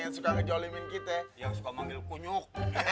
yang suka ngejolimin kita yang suka manggil kunyuk